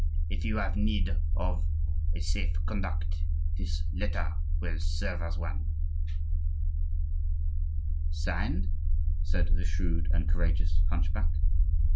If you have need of a safe conduct, this letter will serve as one.'" "Signed?" said the shrewd and courageous hunchback.